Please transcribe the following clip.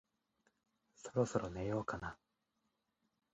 そろそろ寝ようかな